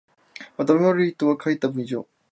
頭悪い人が書いた文章